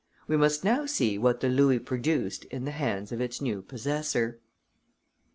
We must now see what the louis produced in the hands of its new possessor. THE WEEK.